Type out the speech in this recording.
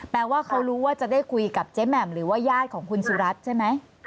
แปลว่าเขารู้ว่าจะได้คุยกับเจ๊แหม่มหรือว่าญาติของคุณสุรัตน์ใช่ไหม